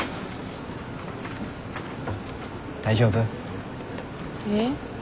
大丈夫？え？